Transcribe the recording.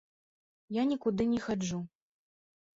Я нікуды не хаджу.